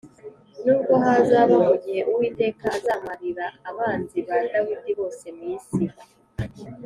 nubwo hazaba mu gihe Uwiteka azamarira abanzi ba Dawidi bose mu isi.